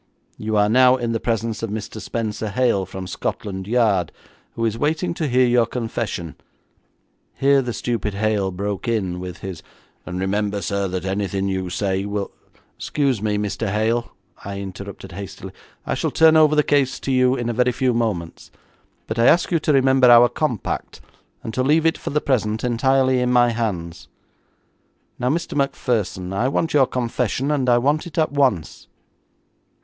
You are now in the presence of Mr. Spenser Hale, from Scotland Yard, who is waiting to hear your confession.' Here the stupid Hale broke in with his 'And remember, sir, that anything you say will be ' 'Excuse me, Mr. Hale,' I interrupted hastily, 'I shall turn over the case to you in a very few moments, but I ask you to remember our compact, and to leave it for the present entirely in my hands. Now, Mr Macpherson, I want your confession, and I want it at once.'